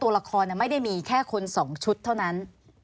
ตัวละครไม่ได้มีแค่คน๒ชุดเท่านั้น